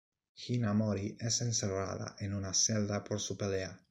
Hinamori es encerrada en una celda por su pelea.